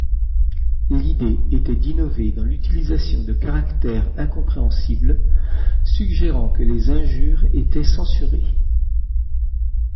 L'idée était d'innover dans l'utilisation de caractères incompréhensibles suggérant que les injures étaient censurées.